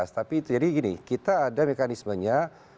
tapi jadi gini kita ada mekanismenya